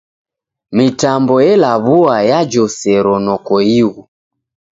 Mitambo elaw'ua yajoseronoko ighu.